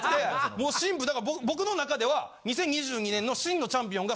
もう僕の中では２０２２年の真のチャンピオンが。